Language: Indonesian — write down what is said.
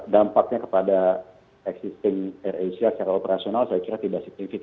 dampaknya kepada existing air asia secara operasional saya kira tidak signifikan